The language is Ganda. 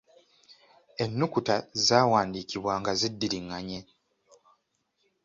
Ennukuta zaawandiikibwa nga ziddiringanye.